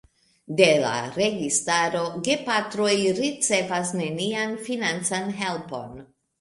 De la registaro gepatroj ricevas nenian financan helpon.